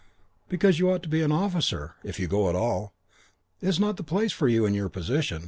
"Because you ought to be an officer, if you go at all. It's not the place for you in your position.